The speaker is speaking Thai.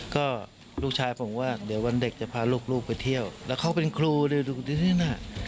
ก็ลูกชายผมว่าเดี๋ยววันเด็กจะพาลูกไปเที่ยวแล้วเขาเป็นครูดูที่นี่น่ะ